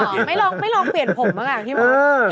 ไม่ลองเปลี่ยนผมบ้างอ่ะพี่มด